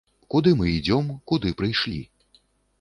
Куды мы ідзём, куды прыйшлі?